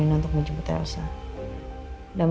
mereka mulai ofot dijuta respon apa apa bu